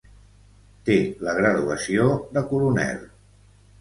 Té la graduació de coronel.